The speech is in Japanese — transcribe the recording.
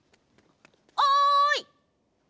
おい！